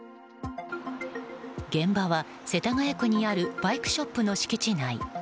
現場は世田谷区にあるバイクショップの敷地内。